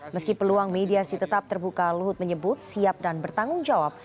meski peluang mediasi tetap terbuka luhut menyebut siap dan bertanggung jawab